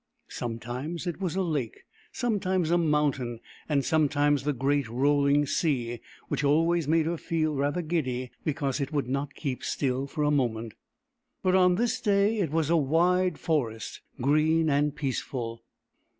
Sometimes it was a lake, sometimes a mountain, and sometimes the great, rolling sea, which always made her feel rather giddy, because it would not keep still for a moment. But on this day it was a wide forest, green and peaceful.